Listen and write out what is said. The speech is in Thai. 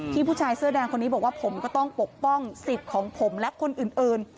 ผู้ชายเสื้อแดงคนนี้บอกว่าผมก็ต้องปกป้องสิทธิ์ของผมและคนอื่น